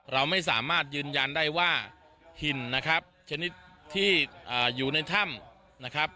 เราไม่สามารถยืนยันได้ว่าหินนะครับชนิดที่อยู่ในถ้ำนะครับ